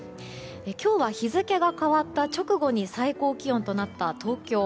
今日は日付が変わった直後に最高気温となった東京。